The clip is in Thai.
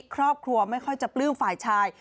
ครอบครัวไม่ค่อยจะปลื้มฝ่ายชาย